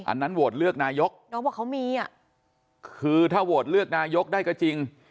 อันนั้นโหวตเลือกนายกคือถ้าโหวตเลือกนายกได้ก็จริง